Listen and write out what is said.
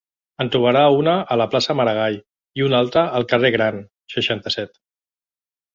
En trobarà una a la plaça Maragall i una altra al carrer Gran, seixanta-set.